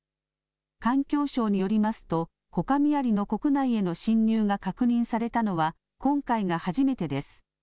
環境省によりますと、コカミアリの国内への侵入が確認されたのは今回が初めてです。